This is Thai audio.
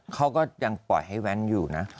เขาก็ยังปล่อยให้แว้นอยู่นะ